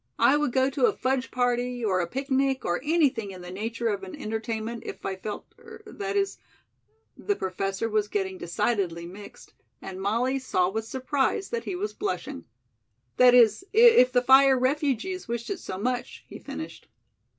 "I would go to a fudge party or a picnic or anything in the nature of an entertainment, if I felt er that is " the Professor was getting decidedly mixed, and Molly saw with surprise that he was blushing. "That is, if the fire refugees wished it so much," he finished.